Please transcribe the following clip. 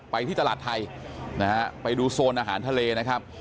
ที่ตลาดไทยนะฮะไปดูโซนอาหารทะเลนะครับ